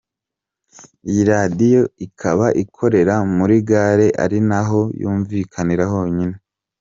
Iyi Radio iakaba ikorera muri Gare ari naho yumvikanira honyine.